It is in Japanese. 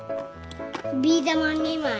びーだま２まい。